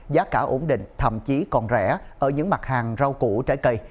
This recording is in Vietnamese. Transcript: giá cả ổn định thậm chí còn rẻ ở những mặt hàng rau củ trái cây